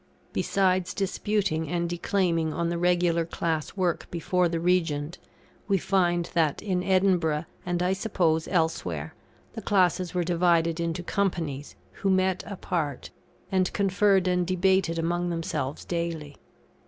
Besides disputing and declaiming on the regular class work before the Regent, we find that, in Edinburgh, and I suppose elsewhere, the classes were divided into companies, who met apart, and conferred and debated among themselves daily.